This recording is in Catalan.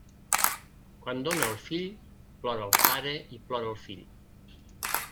Quan dóna el fill, plora el pare i plora el fill.